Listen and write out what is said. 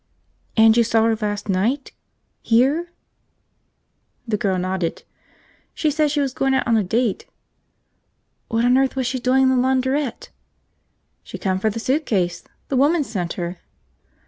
"And you saw her last night? Here?" The girl nodded. "She said she was goin' out on a date." "What on earth was she doing in the launderette?" "She come for the suitcase. The woman sent her."